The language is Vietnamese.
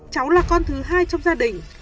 cháu là con thứ hai trong gia đình